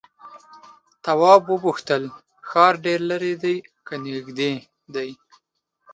تواب وپوښتل ښار ډېر ليرې دی که نږدې دی؟